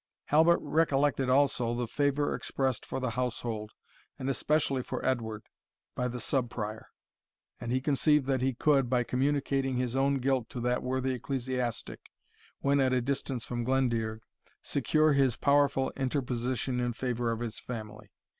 Halbert recollected also the favour expressed for the household, and especially for Edward, by the Sub Prior; and he conceived that he could, by communicating his own guilt to that worthy ecclesiastic, when at a distance from Glendearg, secure his powerful interposition in favour of his family.